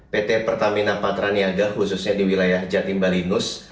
pt pertamina patra niaga khususnya di wilayah jatim balinus